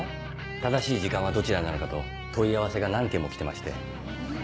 正しい時間はどちらなのかと問い合わせが何件も来てまして。